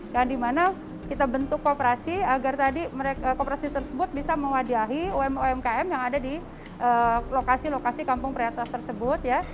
yang dimana kita bentuk kooperasi agar tadi kooperasi tersebut bisa mewadiahi umkm yang ada di lokasi lokasi kampung prioritas tersebut ya